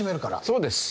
そうです。